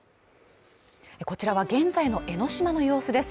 こちらは現在の江の島の様子です